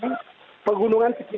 dari keterangan pak jokowi